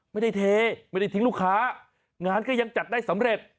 ไม่ได้เทไม่ได้ทิ้งลูกค้างานก็ยังจัดได้สำเร็จ